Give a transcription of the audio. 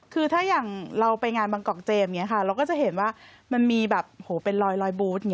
คือถ้าอย่างเราไปงานบางกอกเจมส์เราก็จะเห็นว่ามันมีแบบเป็นรอยบูธ